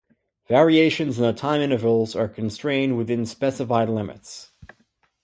Variations in the time intervals are constrained within specified limits.